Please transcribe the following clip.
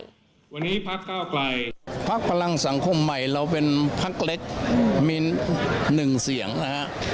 วันนี้พักเก้าไกลพักพลังสังคมใหม่เราเป็นพักเล็กมี๑เสียงนะฮะ